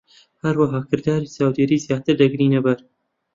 هەروەها، کرداری چاودێری زیاتر دەگرینە بەر.